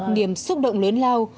niềm xúc động lớn lao